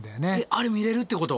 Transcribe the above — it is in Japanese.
あれ見れるってこと？